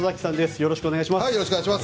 よろしくお願いします。